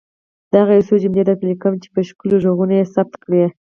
دغه يو څو جملې درته ليکم چي په ښکلي ږغونو يې ثبت کړئ.